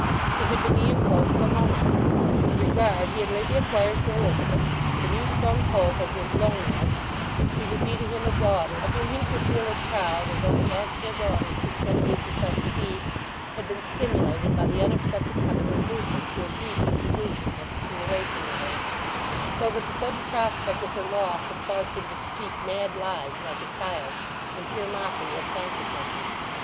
It had been the impulse of a moment. The regard he had lately acquired for Elizabeth, the new sprung hope of his loneliness that she would be to him a daughter of whom he could feel as proud as of the actual daughter she still believed herself to be, had been stimulated by the unexpected coming of Newson to a greedy exclusiveness in relation to her; so that the sudden prospect of her loss had caused him to speak mad lies like a child, in pure mockery of consequences.